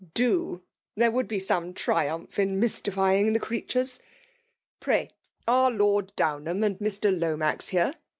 •' Do !— ^There would be some triumph in mystifying the creatures. Pray are Lord Downham and Mr. Lomax here?